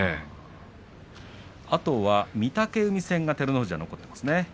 あとは御嶽海戦が照ノ富士、残っていますね。